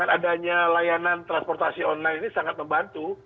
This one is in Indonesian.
dengan adanya layanan transportasi online ini sangat membantu